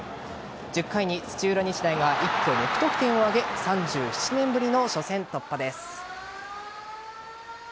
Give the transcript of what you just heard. １０回に土浦日大が一挙６得点を挙げ３７年ぶりの初戦突破です。